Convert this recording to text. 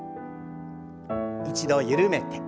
一度緩めて。